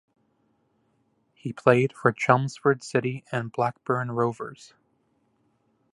He played for Chelmsford City and Blackburn Rovers.